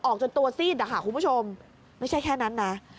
จนตัวซีดนะคะคุณผู้ชมไม่ใช่แค่นั้นนะ